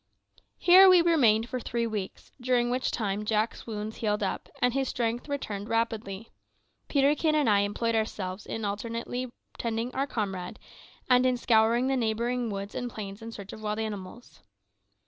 Here we remained for three weeks, during which time Jack's wounds healed up, and his strength returned rapidly. Peterkin and I employed ourselves in alternately tending our comrade, and in scouring the neighbouring woods and plains in search of wild animals.